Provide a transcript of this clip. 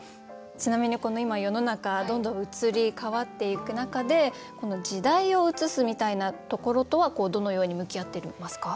ちなみにこの今世の中どんどん移り変わっていく中で時代を映すみたいなところとはどのように向き合っていますか？